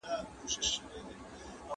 په ټولنه کي سوله ییز ژوند ته لاره هواره کړئ.